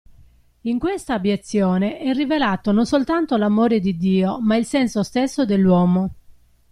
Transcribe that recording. In questa abiezione è rivelato non soltanto l'amore di Dio, ma il senso stesso dell'uomo.